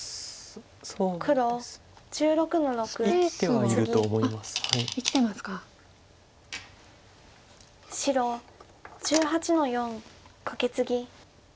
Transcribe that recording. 白１８の四カケツギ。